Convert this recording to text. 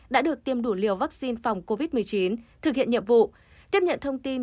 đã được tiêm đủ liều vaccine phòng covid một mươi chín thực hiện nhiệm vụ tiếp nhận thông tin